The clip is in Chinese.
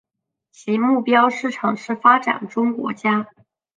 其目标市场是发展中国家。